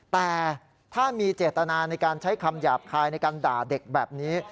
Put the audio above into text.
แต่ถ้ามีเจตนาในการใช้คำหยาบคายในการด่าเด็กแบบนี้